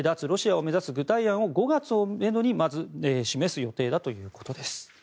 ロシアを目指す具体案を５月をめどにまず示す予定だということです。